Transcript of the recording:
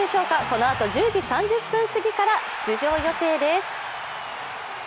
このあと１０時３０分過ぎから出場予定です。